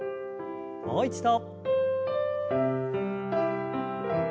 もう一度。